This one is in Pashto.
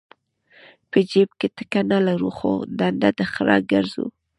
په جیب کې ټکه نه لرو خو ډنډه د خره ګرځو.